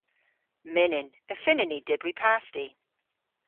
Mynnyn. Y fynnyn ni dybri pasti.